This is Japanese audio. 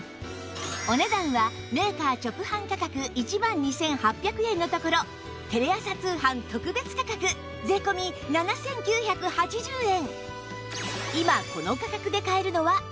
お値段はメーカー直販価格１万２８００円のところテレ朝通販特別価格税込７９８０円